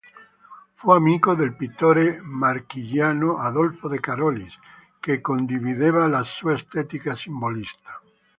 Fu amico del pittore marchigiano Adolfo de Carolis, che condivideva la sua estetica simbolista.